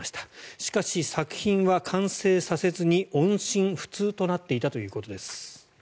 しかし、作品は完成させずに音信不通となっていたということです。